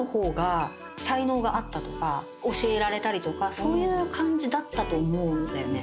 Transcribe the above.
そういう感じだったと思うんだよね。